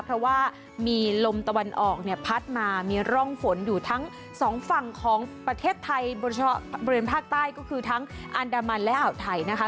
เพราะว่ามีลมตะวันออกเนี่ยพัดมามีร่องฝนอยู่ทั้งสองฝั่งของประเทศไทยบริเวณภาคใต้ก็คือทั้งอันดามันและอ่าวไทยนะคะ